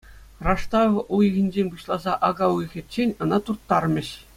Раштав уйӑхӗнчен пуҫласа ака уйӑхӗччен ӑна турттармӗҫ.